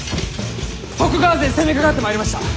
徳川勢攻めかかってまいりました！